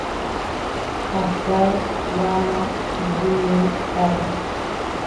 Pascual wamaq churiymi kayan.